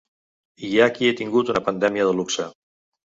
Hi ha qui ha tingut una pandèmia de luxe.